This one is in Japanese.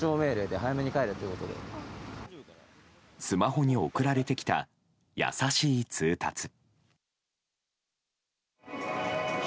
スマホに送られてきた優しい通達。